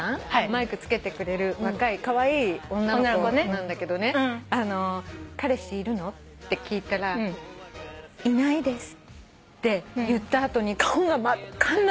マイクつけてくれる若いカワイイ女の子なんだけどね彼氏いるの？って聞いたら「いないです」って言った後に顔が真っ赤になって。